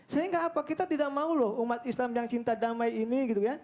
sehingga apa kita tidak mau loh umat islam yang cinta damai ini gitu ya